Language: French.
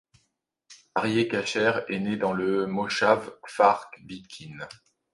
Aryeh Kasher est né dans le moshav Kfar Vitkin.